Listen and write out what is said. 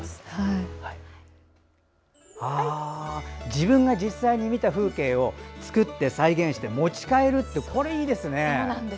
自分が実際に見た風景を作って、再現して持ち帰るというこれ、いいですね。